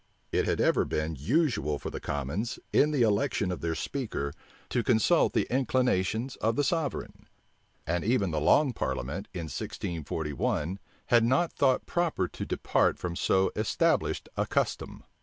It had ever been usual for the commons, in the election of their speaker, to consult the inclinations of the sovereign; and even the long parliament, in 1641, had not thought proper to depart from so established a custom.